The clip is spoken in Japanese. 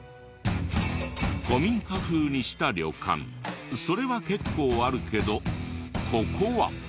古民家風にした旅館それは結構あるけどここは。